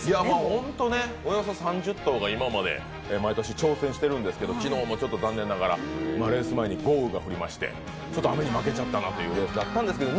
ホント、およそ３０頭が今まで毎年挑戦してるんですけど昨日も残念ながらレース前に豪雨が降りまして雨に負けちゃったなというレースだったんですけど。